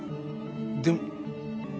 でも。